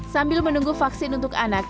sambil menunggu vaksin untuk anak